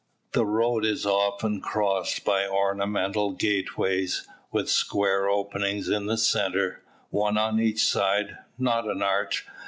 The road is often crossed by ornamental gateways, with square openings in the centre, one on each side, not an arch.